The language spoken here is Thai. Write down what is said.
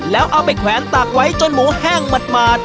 แล้วเอาไปแขวนตากไว้จนหมูแห้งหมาด